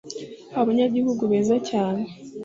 abanyagihugu beza cyane,